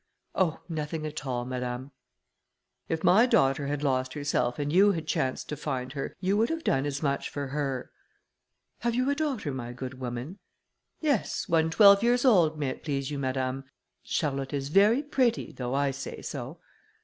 "Oh, nothing at all, madame; if my daughter had lost herself, and you had chanced to find her, you would have done as much for her." "Have you a daughter, my good woman?" "Yes, one twelve years old, may it please you, madame; Charlotte is very pretty, though I say so."